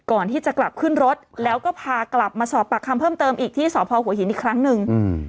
ก่อนที่จะกลับขึ้นรถแล้วก็พากลับมาสอบปากคำเพิ่มเติมอีกที่สพหัวหินอีกครั้งหนึ่ง